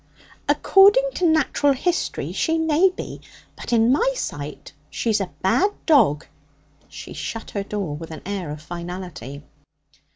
'According to natural history she may be, but in my sight she's a bad dog.' She shut her door with an air of finality.